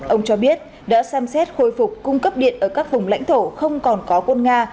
ông cho biết đã xem xét khôi phục cung cấp điện ở các vùng lãnh thổ không còn có quân nga